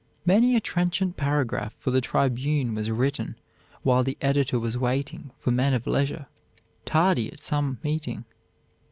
Many a trenchant paragraph for the "Tribune" was written while the editor was waiting for men of leisure, tardy at some meeting.